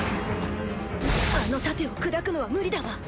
あの盾を砕くのは無理だわ。